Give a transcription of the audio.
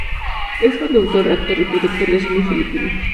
Es un cantautor, actor y productor de cine filipino.